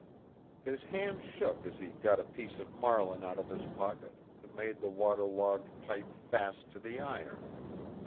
His hand shook as he got a piece of marline out of his pocket, and made the water logged pipe fast to the iron.